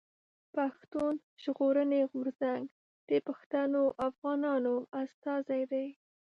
پښتون ژغورني غورځنګ د پښتنو افغانانو استازی دی.